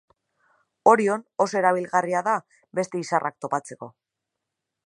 Orion oso erabilgarria da beste izarrak topatzeko.